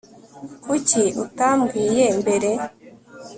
Kuki utambwiye mbere